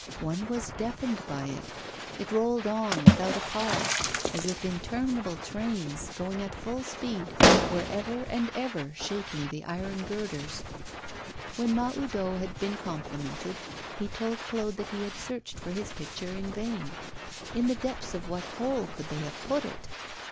One was deafened by it; it rolled on without a pause, as if interminable trains, going at full speed, were ever and ever shaking the iron girders. When Mahoudeau had been complimented, he told Claude that he had searched for his picture in vain. In the depths of what hole could they have put it?